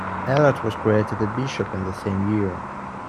Allard was created a bishop in the same year.